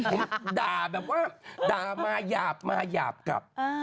ผมด่าแบบว่าด่ามาหยาบมาหยาบกลับ